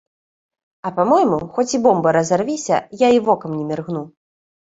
А па-мойму, хоць і бомба разарвіся, я і вокам не міргну.